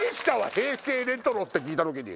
平成レトロって聞いた時に。